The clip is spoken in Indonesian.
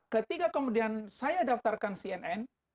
ketika kemudian saya daftarkan cnn